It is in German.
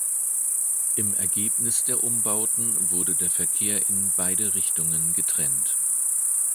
Im Ergebnis der Umbauten wurde der Verkehr in beide Richtungen getrennt.